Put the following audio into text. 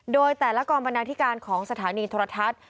โดยแต่ละกองบรรณาธิการของสถานีโทรทัศน์